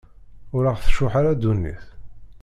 Ur aɣ-tcuḥḥ ara ddunit.